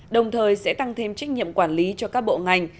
đồng thời sẽ tăng thêm trách nhiệm quản lý cho các bộ ngành